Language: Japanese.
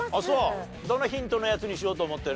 どのヒントのやつにしようと思ってる？